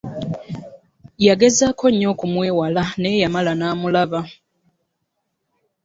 Yagezaako nyo okumwewala naye yamala n'amulB .